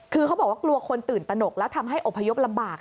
คือเขาบอกว่ากลัวคนตื่นตนกแล้วทำให้อพยพลำบาก